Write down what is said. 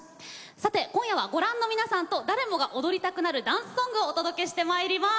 さて今夜はご覧の皆さんと誰もが踊りたくなるダンスソングをお届けしてまいります。